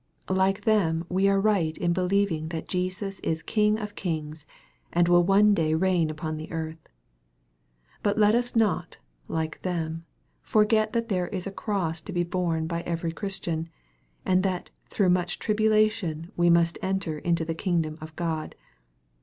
Like them we are right in believing that Jesus is King of kings, and will one day reign upon the earth. But let us not, like them, forget that there is a cross to be borne by every Christian, and that " through much tribulation we must enter into the kingdom of God."